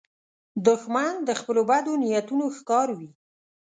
دښمن د خپلو بدو نیتونو ښکار وي